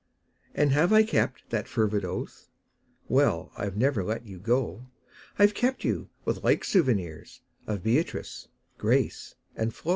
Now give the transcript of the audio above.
And have I kept that fervid oath? Well I've never let you go: I've kept you with like souvenirs Of Beatrice, Grace and Flo.